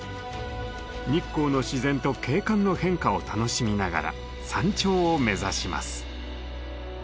日光の自然と景観の変化を楽しみながら山頂を目指します。